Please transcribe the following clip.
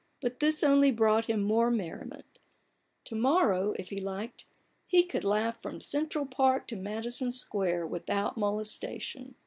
But this only brought him more merriment ; to morrow, if he liked, he could laugh from Central Park to Madison Square without molestation.